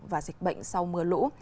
và dịch bệnh sau mưa lũ